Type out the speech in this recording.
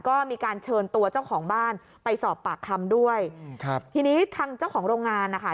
ก็มีการเชิญตัวเจ้าของบ้านไปสอบปากคำด้วยครับทีนี้ทางเจ้าของโรงงานนะคะ